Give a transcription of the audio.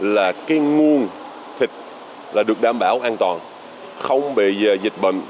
là cái nguồn thịt là được đảm bảo an toàn không bị dịch bệnh